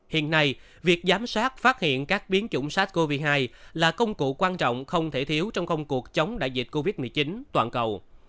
hiện nay việc giám sát phát hiện các biến chủng sars cov hai là công cụ quan trọng không thể thiếu trong công cuộc chống đại dịch covid một mươi chín toàn cầu